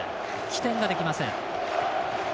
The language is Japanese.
起点ができません。